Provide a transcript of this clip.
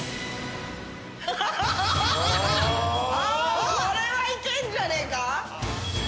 あぁこれはいけんじゃねえか？